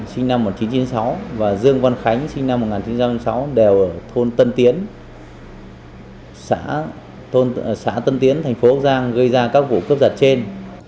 sinh năm một nghìn chín trăm chín mươi sáu và dương văn khánh sinh năm một nghìn chín trăm chín mươi sáu đều ở thôn tân tiến xã tân tiến thành phố bắc giang gây ra các vụ cướp giật trên